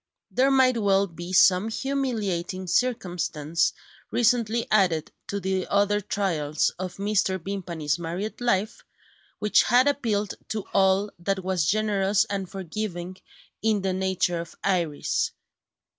There might well be some humiliating circumstance, recently added to the other trials of Mrs. Vimpany's married life, which had appealed to all that was generous and forgiving in the nature of Iris.